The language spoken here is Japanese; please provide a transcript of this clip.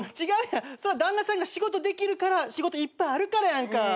違うやんそれは旦那さんが仕事できるから仕事いっぱいあるからやんか。